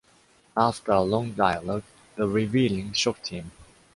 After a long dialog, the revealing shocked him.